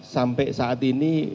sampai saat ini